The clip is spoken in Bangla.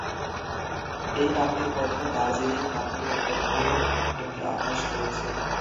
এই নামটির মধ্যেও "দার্জিলিং" নামটির উৎপত্তির একটি আভাস রয়েছে।